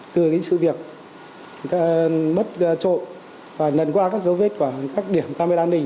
từ những sự việc